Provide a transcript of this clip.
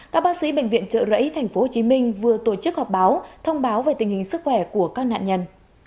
các bác sĩ bệnh viện trợ rẫy tp hcm vừa tổ chức họp báo thông báo về tình hình sức khỏe của các nạn nhân